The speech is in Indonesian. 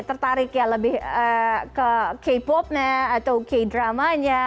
tertarik ya lebih ke k popnya atau k dramanya